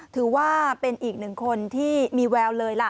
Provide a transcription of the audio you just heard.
ถือว่าเป็นอีกหนึ่งคนที่มีแววเลยล่ะ